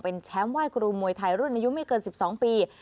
เป็นแชมป์ไหว้ครูมวยไทยรุ่นอายุไม่เกิน๑๒ปี